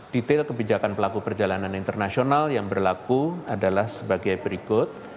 detail kebijakan pelaku perjalanan internasional yang berlaku adalah sebagai berikut